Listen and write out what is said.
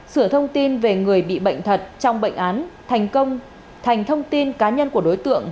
sửa thông tin về người bị bệnh thật trong bệnh án thành công thành thông tin cá nhân của đối tượng